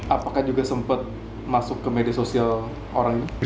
apakah juga sempat masuk ke media sosial orang ini